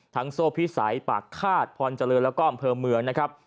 โซ่พิสัยปากฆาตพรเจริญแล้วก็อำเภอเมืองนะครับ